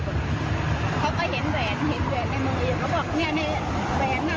บอกจะให้ผมดีหรือจะให้ผมยิงบอกจะเอาชีวิตไว้หรือว่าจะเอาทองไว้หรอเนี่ย